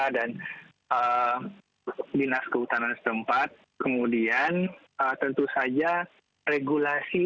dan dinas kehutanan sedempat kemudian tentu saja regulasi